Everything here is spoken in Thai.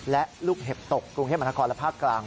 และลูกเห็บตกกรุงเทพมหานครและภาคกลาง